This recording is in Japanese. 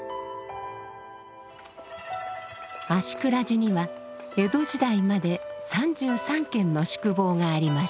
芦峅寺には江戸時代まで３３軒の宿坊がありました。